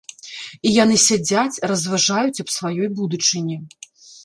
І яны сядзяць, разважаюць аб сваёй будучыні.